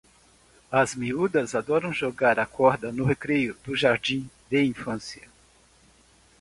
As miúdas adoram jogar à corda no recreio do jardim de infância.